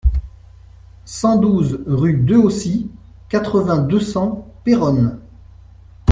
cent douze rue Dehaussy, quatre-vingts, deux cents, Péronne